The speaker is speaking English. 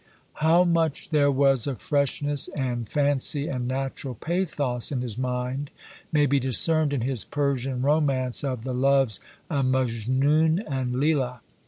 How much there was of freshness, and fancy, and natural pathos in his mind, may be discerned in his Persian romance of "The Loves of Mejnoon and Leila."